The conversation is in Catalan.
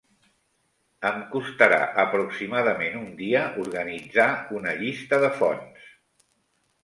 Em costarà aproximadament un dia organitzar una llista de fonts.